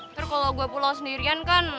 ntar kalo gue pulang sendirian kan